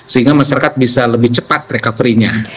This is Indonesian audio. sehingga masyarakat bisa lebih cepat recovery nya